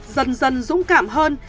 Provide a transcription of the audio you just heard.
dần dần dũng cảm hơn